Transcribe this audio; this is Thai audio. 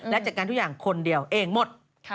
และจัดการทุกอย่างคนเดียวเองหมด